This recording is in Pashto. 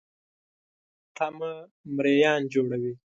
تمه مریان جوړوي.